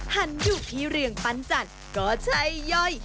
ฮันดูบที่เรืองปัญจันก็ใช่ยอย